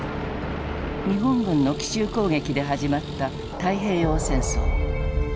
日本軍の奇襲攻撃で始まった太平洋戦争。